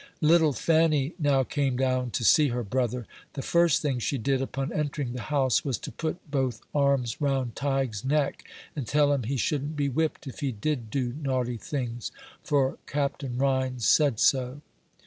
Little Fannie now came down to see her brother. The first thing she did, upon entering the house, was to put both arms round Tige's neck, and tell him he shouldn't be whipped if he did do naughty things, for Captain Rhines said so.